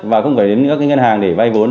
và không phải đến ngân hàng để vay bốn